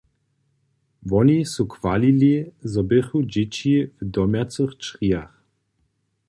Woni su chwalili, zo běchu dźěći w domjacych črijach.